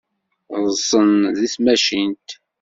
Ḍḍsen deg tmacint.